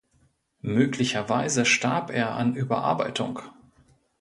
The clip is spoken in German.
Möglicherweise starb er an Überarbeitung.